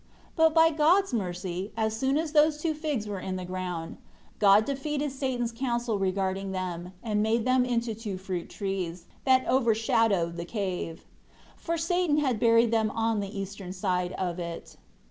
3 But by God's mercy, as soon as those two figs were in the ground, God defeated Satan's counsel regarding them; and made them into two fruit trees, that overshadowed the cave. For Satan had buried them on the eastern side of it.